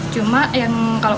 cuma kalau kurma asli lebih manis